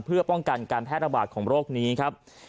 เพื่อป้องกันการแพร่ระบาดของโรคนี้ครับ